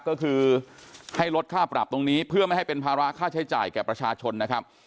ก็คือให้ลดค่าปรับตรงนี้เพื่อไม่ให้เป็นภาระค่าใช้จ่ายแก่ประชาชนนะครับ